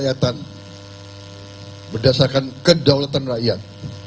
kedautan rakyat berdasarkan kedaulatan rakyat